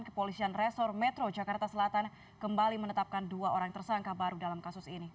kepolisian resor metro jakarta selatan kembali menetapkan dua orang tersangka baru dalam kasus ini